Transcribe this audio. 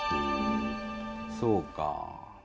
そうか。